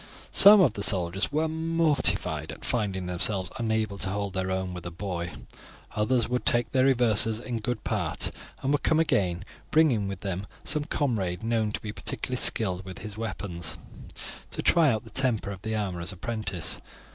Some of the soldiers were mortified at finding themselves unable to hold their own with a boy; others would take their reverses in good part and would come again, bringing with them some comrade known to be particularly skilled with his weapons, to try the temper of the armourer's apprentice.